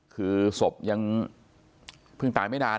คือศพยังเพิ่งตายไม่นาน